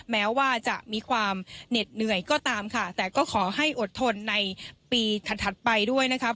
แม้ว่าจะมีความเหน็ดเหนื่อยก็ตามค่ะแต่ก็ขอให้อดทนในปีถัดไปด้วยนะครับ